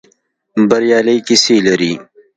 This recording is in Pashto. بریالۍ کيسې لري.